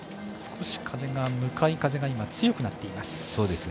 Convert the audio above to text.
向かい風が強くなっています。